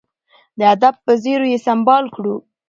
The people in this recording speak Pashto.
د ادب په زیور یې سمبال کړو.